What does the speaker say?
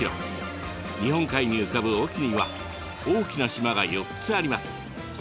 日本海に浮かぶ隠岐には大きな島が４つあります。